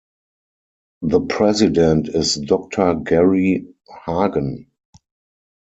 The president is Doctor Gary Hagen.